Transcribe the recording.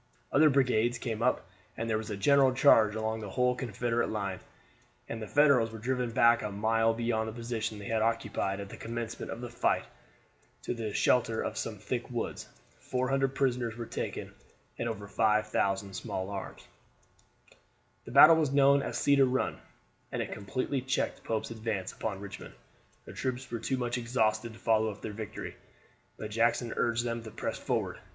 Other brigades came up, and there was a general charge along the whole Confederate line, and the Federals were driven back a mile beyond the position they had occupied at the commencement of the fight to the shelter of some thick woods. Four hundred prisoners were taken and over 5,000 small arms. The battle was known as Cedar Run, and it completely checked Pope's advance upon Richmond. The troops were too much exhausted to follow up their victory, but Jackson urged them to press forward.